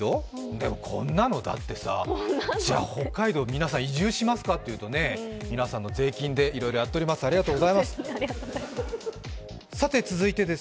でもこんなの、だってさあ。じゃあ北海道、皆さん移住しますか？と言うとね、皆さんの税金でいろいろやっておりますありがとうございます。